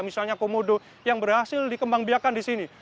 misalnya komodo yang berhasil dikembang biakan di sini